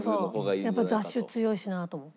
やっぱ雑種強いしなと思って。